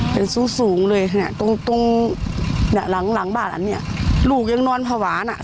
เป็นสูบเลยตรงหลังบ้านลูกยังนอนผวานะ๒คน